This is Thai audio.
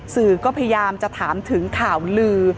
สื่อก็พยายามจะถามถึงข่าวลือ